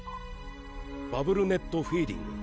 バブルネットフィーディング。